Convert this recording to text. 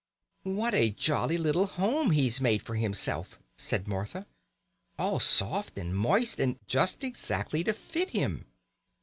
"What a jolly little home he's made for himself!" said Martha. "All soft and moist, and just exactly to fit him."